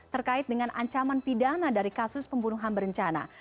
terkait dengan ancaman pidana dari kasus pembunuhan berencana